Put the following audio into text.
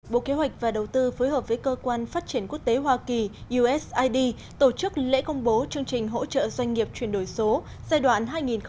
bộ kế hoạch và đầu tư phối hợp với cơ quan phát triển quốc tế hoa kỳ usid tổ chức lễ công bố chương trình hỗ trợ doanh nghiệp chuyển đổi số giai đoạn hai nghìn hai mươi một hai nghìn hai mươi năm